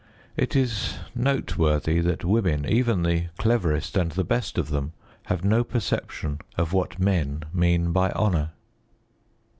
It is noteworthy that women, even the cleverest and the best of them, have no perception of what men mean by honour.